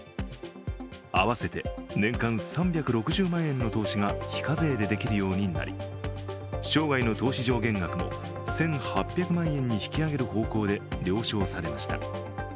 合わせて年間３６０万円の投資が非課税でできるようになり、生涯の投資上限額も１８００万円に引き上げる方向で了承されました。